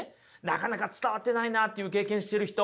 なかなか伝わってないなという経験している人